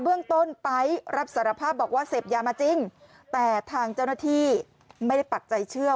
เบื้องต้นไป๊รับสารภาพบอกว่าเสพยามาจริงแต่ทางเจ้าหน้าที่ไม่ได้ปักใจเชื่อ